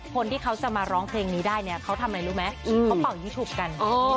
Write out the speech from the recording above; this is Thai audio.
คนที่เขาจะมาร้องเพลงนี้ได้เนี่ยเขาทำอะไรรู้ไหมเขาเป่ายี่ถูกกัน